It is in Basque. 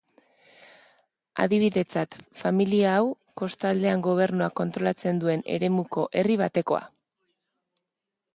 Adibidetzat, familia hau, kostaldean gobernuak kontrolatzen duen eremuko herri batekoa.